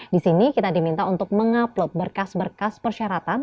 di sini kita diminta untuk mengupload berkas berkas persyaratan